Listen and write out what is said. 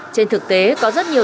trên thực tế có rất nhiều thanh niên